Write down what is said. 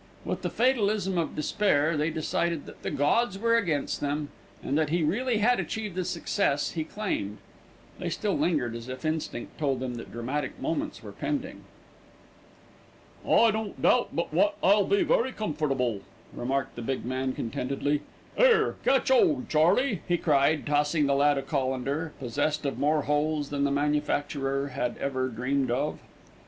With the fatalism of despair they decided that the gods were against them, and that he really had achieved the success he claimed. They still lingered, as if instinct told them that dramatic moments were pending. "I don't doubt but wot I'll be very comfortable," remarked the big man contentedly. "'Ere, catch 'old, Charley," he cried, tossing the lad a colander, possessed of more holes than the manufacturer had ever dreamed of.